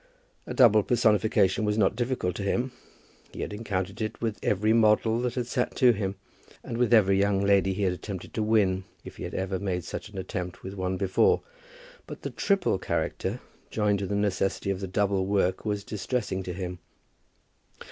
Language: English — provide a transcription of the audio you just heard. A double personification was not difficult to him. He had encountered it with every model that had sat to him, and with every young lady he had attempted to win, if he had ever made such an attempt with one before. But the triple character, joined to the necessity of the double work, was distressing to him.